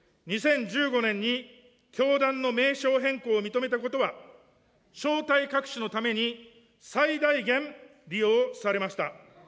２０１５年に教団の名称変更を認めたことは、正体隠しのために最大限利用されました。